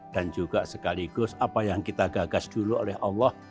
dan juga sekaligus apa yang kita gagas dulu oleh allah